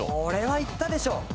これはいったでしょ！